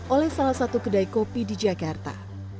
oleh salah satu kedai kopi di jakarta